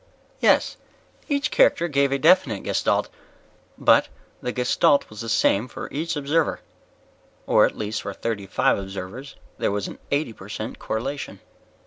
"Yes, each character gave a definite Gestalt. But, the Gestalt was the same for each observer. Or at least for thirty five observers there was an eighty per cent correlation."